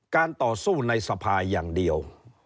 ต่อสู้ในสภาอย่างเดียว